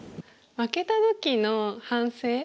負けた時の反省。